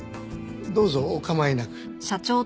どうぞお構いなく。